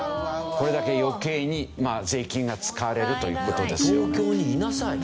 これだけ余計に税金が使われるという事ですよね。